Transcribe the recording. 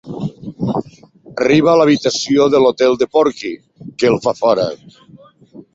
Arriba a l'habitació de l'hotel de Porky, que el fa fora.